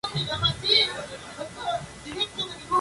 Se trataba de un municipio de carácter rural.